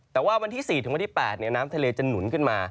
แต่ว่าวันที่๔ถึงวันที่๘น้ำทะเลจะหนุนขึ้นมา